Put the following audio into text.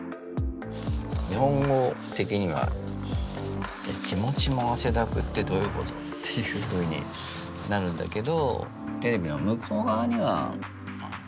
日本語的には「気持ちも汗だく」ってどういうことっていうふうになるんだけど。